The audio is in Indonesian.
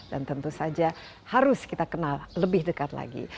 dan tentu saja harus kita kenal lebih dekat lagi